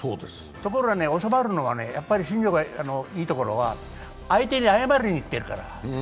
ところがね、収まるのは新庄がいいところは相手に謝りにいってるから。